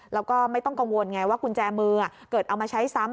แล้วก็ไม่ต้องกังวลไงว่ากุญแจมือเกิดเอามาใช้ซ้ำ